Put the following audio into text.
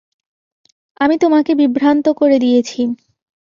আমি তোমাকে বিভ্রান্ত করে দিয়েছি।